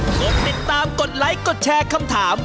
กดติดตามกดไลค์กดแชร์คำถาม